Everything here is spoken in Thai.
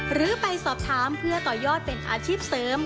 หรือไปสอบถามเพื่อต่อยอดเป็นอาชีพเสริม